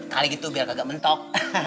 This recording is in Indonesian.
kali gitu biar agak mentok